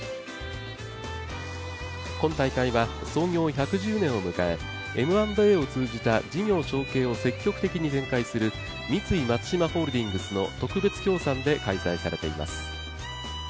今大会は、創業１１０年を迎え、Ｍ＆Ａを通じた事業承継を積極的に展開する三井松島ホールディングスの特別協賛で開催されています。